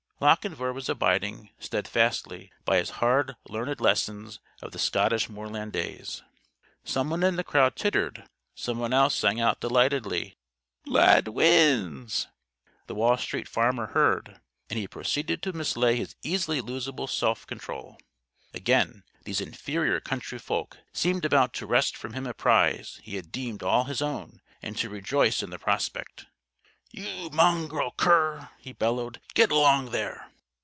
Lochinvar was abiding, steadfastly, by his hard learned lessons of the Scottish moorland days. Someone in the crowd tittered. Someone else sang out delightedly: "Lad wins!" The Wall Street Farmer heard. And he proceeded to mislay his easily losable self control. Again, these inferior country folk seemed about to wrest from him a prize he had deemed all his own, and to rejoice in the prospect. "You mongrel cur!" he bellowed. "Get along there!"